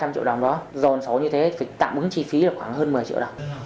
ba trăm linh triệu đồng đó dồn số như thế tạm ứng chi phí là khoảng hơn một mươi triệu đồng